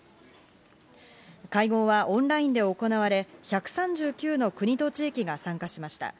会合はオンラインで行われ、１３９の国と地域が参加しました。